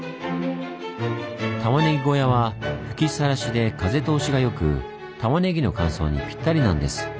たまねぎ小屋は吹きさらしで風通しが良くたまねぎの乾燥にぴったりなんです。